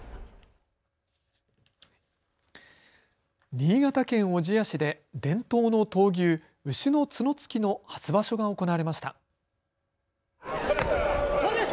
新潟県小千谷市で伝統の闘牛、牛の角突きの初場所が行われました。